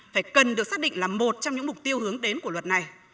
phải cần được xác định là một trong những mục tiêu hướng đến của luật này